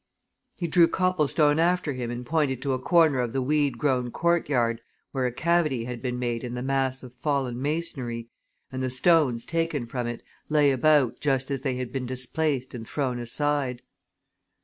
He drew Copplestone after him and pointed to a corner of the weed grown courtyard where a cavity had been made in the mass of fallen masonry and the stones taken from it lay about just as they had been displaced and thrown aside.